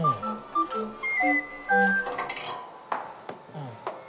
うん。